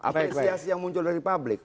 apresiasi yang muncul dari publik